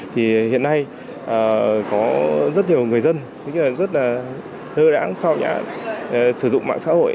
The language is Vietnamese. thì hiện nay có rất nhiều người dân rất là hơ đáng sử dụng mạng xã hội